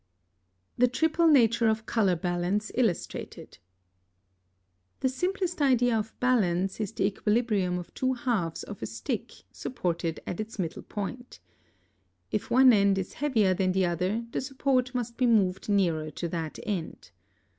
+The triple nature of color balance illustrated.+ (81) The simplest idea of balance is the equilibrium of two halves of a stick supported at its middle point. If one end is heavier than the other, the support must be moved nearer to that end.